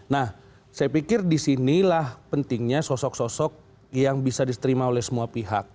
nah saya pikir disinilah pentingnya sosok sosok yang bisa diterima oleh semua pihak